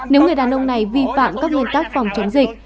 nếu người đàn ông này vi phạm các nguyên tắc phòng chống dịch